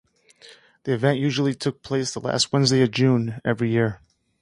The event usually took place the last Wednesday of June, every year.